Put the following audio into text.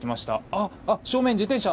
あ、正面に自転車。